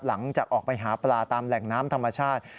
หลังจากออกไปหาปลาตามแหล่งน้ำธรรมชาติ